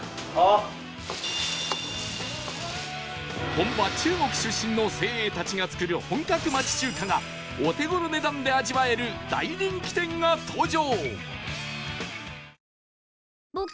本場中国出身の精鋭たちが作る本格町中華がお手頃値段で味わえる大人気店が登場